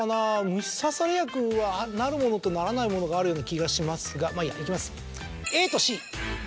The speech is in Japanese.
虫さされ薬はなるものとならないものがあるような気がしますがまぁいいやいきます。